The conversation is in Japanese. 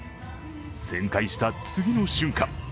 旋回した次の瞬間